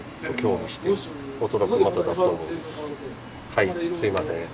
はいすいません。